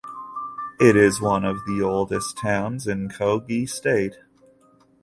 It is one of the oldest towns in Kogi State.